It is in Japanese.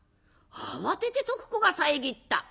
慌てて徳子が遮った。